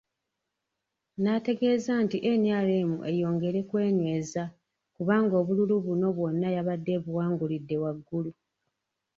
N'ategeeza nti NRM eyongere kwenyweza kubanga obululu buno bwonna yabadde ebuwangulidde waggulu.